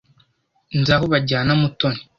Nzi aho bajyana Mutoni.